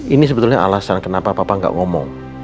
ini sebetulnya alasan kenapa papa nggak ngomong